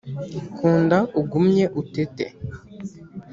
kunda ugumye utete